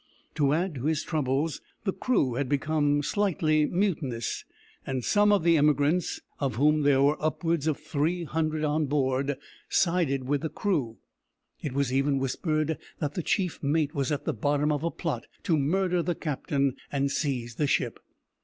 To add to his troubles, the crew had become slightly mutinous, and some of the emigrants of whom there were upwards of three hundred on board sided with the crew. It was even whispered that the chief mate was at the bottom of a plot to murder the captain and seize the ship.